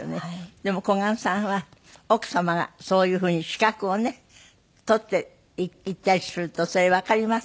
でも小雁さんは奥様がそういうふうに資格をね取っていったりするとそれわかります？